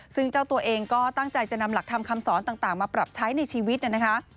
ซึ่งเจ้าตัวเองก็ตั้งใจจะนำหลักธรรมคำสอนต่างมาปรับใช้ในชีวิตนะคะ